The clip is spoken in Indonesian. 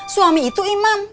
suami itu imam